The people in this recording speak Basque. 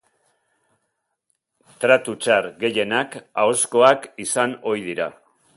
Tratu txar gehienak ahozkoak izan ohi dira.